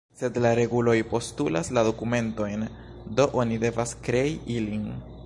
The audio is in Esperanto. Sed la reguloj postulas la dokumentojn, do oni devas krei ilin.